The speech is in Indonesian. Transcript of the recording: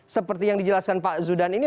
seperti yang dijelaskan pak zudan ini